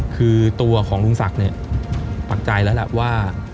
คือตัวของลุงศักดิ์เนี่ยปักใจแล้วแหละว่า